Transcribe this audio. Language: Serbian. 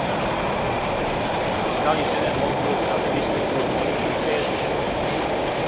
Да ли жене могу да присуствују молитви петком?